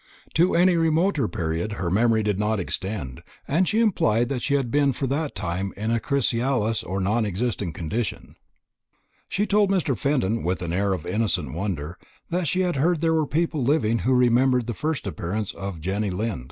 To any remoter period her memory did not extend, and she implied that she had been before that time in a chrysalis or non existent condition. She told Mr. Fenton, with an air of innocent wonder, that she had heard there were people living who remembered the first appearance of Jenny Lind.